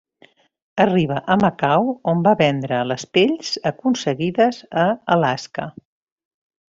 Arriba a Macau on va vendre les pells aconseguides a Alaska.